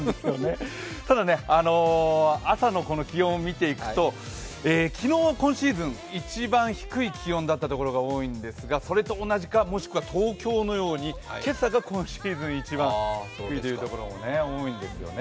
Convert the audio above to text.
ただ、朝の気温を見ていくと昨日、今シーズン一番低い気温だったところが多いんですがそれと同じか、もしくは東京のように今朝が今シーズン一番というところが多いんですよね。